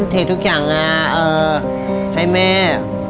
เททุกอย่างให้แม่